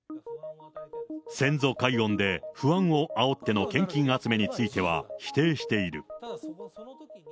先祖解怨で、不安をあおっての献金集めについては否定している。